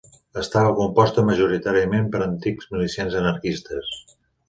Estava composta majoritàriament per antics milicians anarquistes.